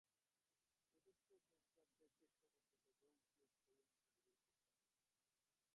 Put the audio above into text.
চতুর্থ সহস্রাব্দের শেষ শতাব্দীতে ব্রোঞ্জ যুগ এই অঞ্চলে বিকশিত হয়েছিল।